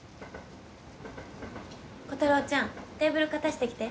コタローちゃんテーブル片してきて。